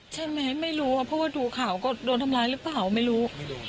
ไม่รู้ว่าเพราะว่าดูข่าวก็โดนทำร้ายหรือเปล่าไม่รู้